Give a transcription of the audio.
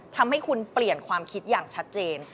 ทำให้คุณเปลี่ยนความคิดอย่างชัดเจน